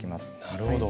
なるほど。